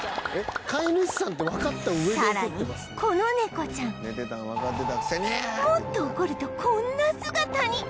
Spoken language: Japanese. さらにこのネコちゃんもっと怒るとこんな姿に